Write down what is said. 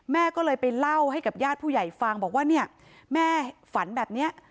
แม่ก็เลยไปเล่าให้กับญาติผู้ใหญ่ฟังบอกว่าเนี่ยแม่ฝันแบบนี้